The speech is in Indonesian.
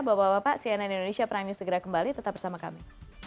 bapak bapak cnn indonesia prime news segera kembali tetap bersama kami